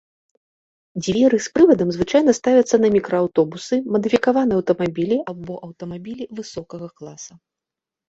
Дзверы з прывадам звычайна ставяцца на мікрааўтобусы, мадыфікаваныя аўтамабілі або аўтамабілі высокага класа.